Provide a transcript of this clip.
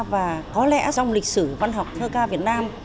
và có lẽ trong lịch sử văn học thơ ca việt nam